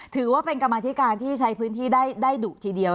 ถือว่าเป็นกรรมธิการที่ใช้พื้นที่ได้ดุทีเดียว